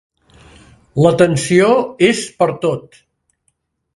La tensió és pertot.